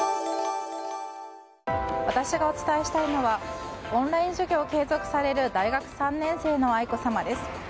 私がお伝えしたいのはオンライン授業を継続される大学３年生の愛子さまです。